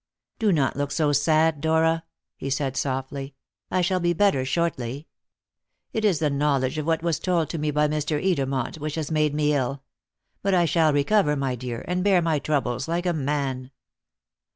"Do not look so sad, Dora," he said softly; "I shall be better shortly. It is the knowledge of what was told to me by Mr. Edermont which has made me ill. But I shall recover, my dear, and bear my troubles like a man."